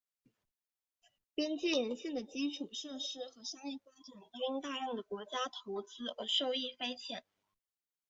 边界沿线的基础设施和商业发展都因大量的国家投资而受益匪浅。